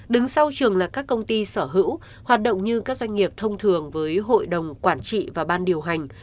đứng sau trường là các công ty sở hữu hoạt động như các doanh nghiệp thông thường với hội đồng quản trị và ban điều hành